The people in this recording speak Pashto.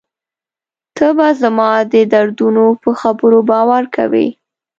ته به زما د دردونو په خبرو باور کوې.